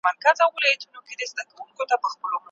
ما تېره شپه د خپلي کورنۍ له پاره ډېر ښه فکرونه وکړل.